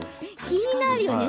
気になるよね